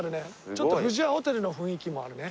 ちょっと富士屋ホテルの雰囲気もあるね。